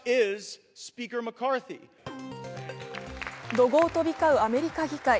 怒号飛び交うアメリカ議会。